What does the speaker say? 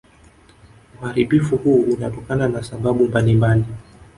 Uharibifu huu unatokana na sababu mbalimbali